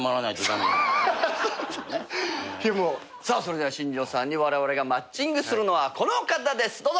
さあそれでは新庄さんにわれわれがマッチングするのはこの方です。